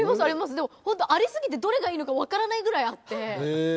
でもホントありすぎてどれがいいのかわからないぐらいあって。